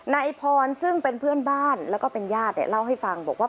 นายพรซึ่งเป็นเพื่อนบ้านแล้วก็เป็นญาติเนี่ยเล่าให้ฟังบอกว่า